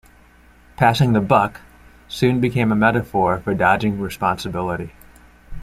"Passing the buck" soon became a metaphor for dodging responsibility.